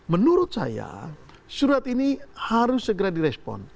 menurut saya surat ini harus segera di respon